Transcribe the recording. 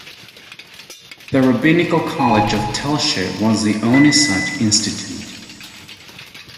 The Rabbinical College of Telshe was the only such institute.